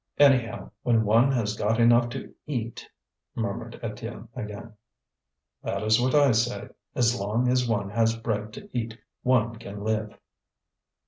"Anyhow, when one has got enough to eat!" murmured Étienne again. "That is what I say. As long as one has bread to eat one can live."